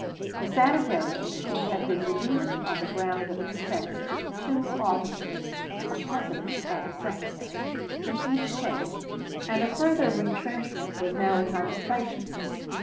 The Sanitary Commissions had been reduced on the ground of expense to two officers (a President and a Secretary) in each case, and a further retrenchment was now in contemplation.